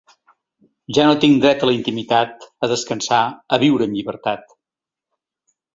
Ja no tinc dret a la intimitat, a descansar, a viure en llibertat.